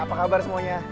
hai apa kabar semuanya